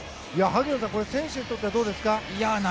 選手にとってもどうですか？